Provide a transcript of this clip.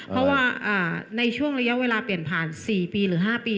เพราะว่าในช่วงระยะเวลาเปลี่ยนผ่าน๔ปีหรือ๕ปี